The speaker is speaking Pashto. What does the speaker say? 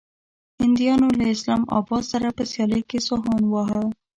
هنديانو له اسلام اباد سره په سيالۍ کې سوهان واهه.